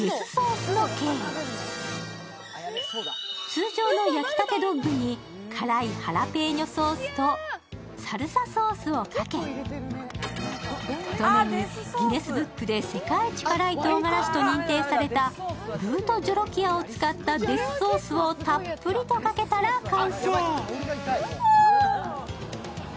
通常の焼きたてドッグに辛いハラペーニョソースとサルサソースをかけとどめにギネスブックで世界一辛いとうがらしと認定されたブートジョロキアを使ったデスソースをたっぷりかけたら完成。